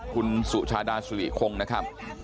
คุณสุชาดาสุริคงนะครับ